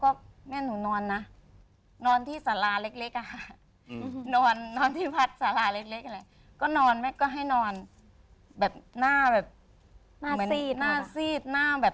ก็เลยง่วงนอนอะไรเงี้ย